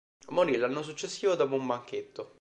Morì l'anno successivo dopo un banchetto.